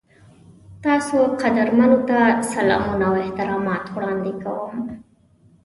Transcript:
تاسو قدرمنو ته سلامونه او احترامات وړاندې کوم.